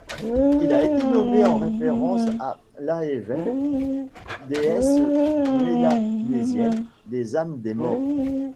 Il a été nommé en référence à Lahevhev, déesse mélanésienne des âmes des morts.